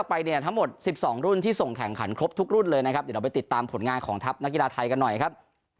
ไปเนี่ยทั้งหมด๑๒รุ่นที่ส่งแข่งขันครบทุกรุ่นเลยนะครับเดี๋ยวเราไปติดตามผลงานของทัพนักกีฬาไทยกันหน่อยครับ